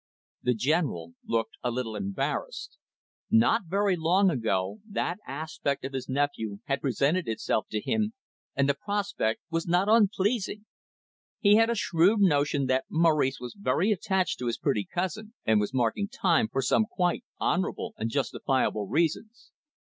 The General looked a little embarrassed. Not very long ago, that aspect of his nephew had presented itself to him, and the prospect was not unpleasing. He had a shrewd notion that Maurice was very attached to his pretty cousin, and was marking time for some quite honourable and justifiable reasons.